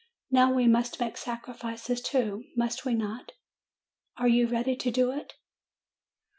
Now we must make sacrifices, too, must we not ? Are you ready to do it